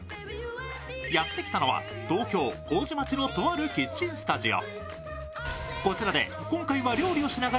やってきたのは東京・麹町のとあるキッチンスタジオ。